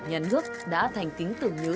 nhà nước đã thành tính tưởng nhớ